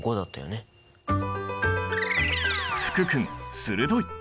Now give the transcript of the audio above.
福君鋭い！